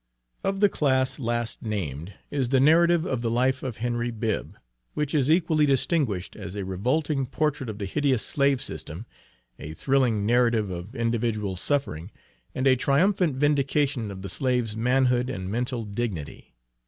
Of the class last named, is the narrative of the life of Henry Bibb, which is equally distinguished as a revolting portrait of the hideous slave system, a thrilling narrative of individual suffering, and a triumphant vindication of the slave's manhood and mental dignity.